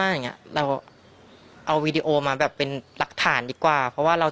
นั่งอย่างเงี้ยเราเอามาแบบเป็นรักฐานดีกว่าเพราะว่าเรา